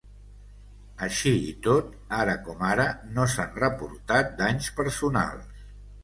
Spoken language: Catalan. Així i tot, ara com ara no s’han reportat danys personals.